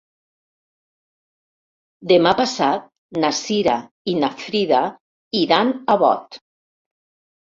Demà passat na Cira i na Frida iran a Bot.